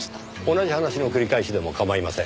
同じ話の繰り返しでも構いません。